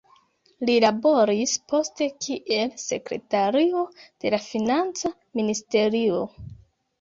Li laboris poste kiel sekretario de la Financa ministerio.